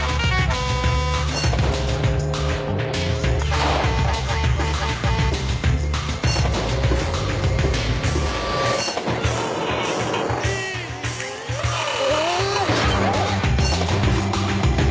あっ。